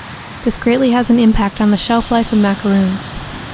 This greatly has an impact on the shelf life of macaroons.